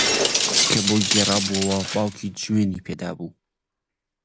کە بۆی گێڕابۆوە باوکی جوێنی پێدابوو